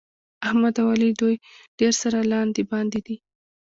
احمد او علي دوی ډېر سره لاندې باندې دي.